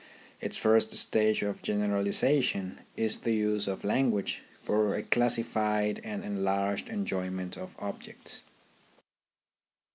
Its first stage of generalization is the use of language for a classified and enlarged enjoyment of objects.